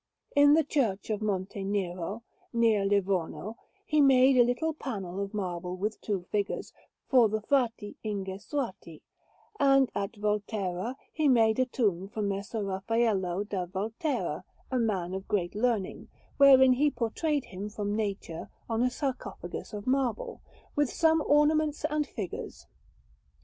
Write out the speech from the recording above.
In the Church of Monte Nero, near Livorno, he made a little panel of marble with two figures, for the Frati Ingesuati; and at Volterra he made a tomb for Messer Raffaello da Volterra, a man of great learning, wherein he portrayed him from nature on a sarcophagus of marble, with some ornaments and figures.